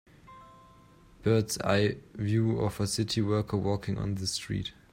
Bird 's eye view of a city worker walking on the street.